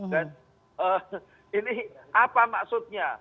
dan ini apa maksudnya